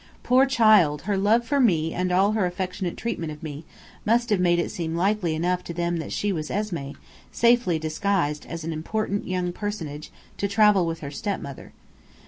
Poor child, her love for me and all her affectionate treatment of me, must have made it seem likely enough to them that she was Esmé, safely disguised as an important young personage, to travel with her stepmother.